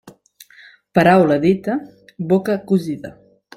Paraula dita, boca cosida.